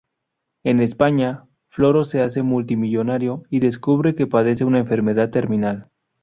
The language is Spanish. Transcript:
En España Floro se hace multi millonario, y descubre que padece una enfermedad terminal.